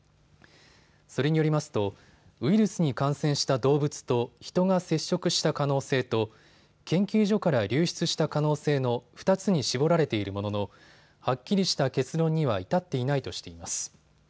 それによりますとウイルスに感染した動物とヒトが接触した可能性と、研究所から流出した可能性の２つに絞られているもののはっきりした結論には至っていないとしています。